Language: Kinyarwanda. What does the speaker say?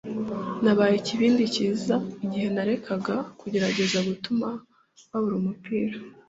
Nabaye ikibindi cyiza igihe narekaga kugerageza gutuma babura umupira